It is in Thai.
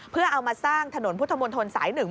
เพื่อเอามาสร้างถนนพุทธมนต์ธนสายหนึ่ง